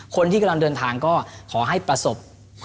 คนที่กำลังเดินทางก็ขอให้ประสบ